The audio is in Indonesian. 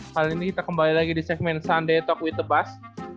kali ini kita kembali lagi di segmen sunday talk with bus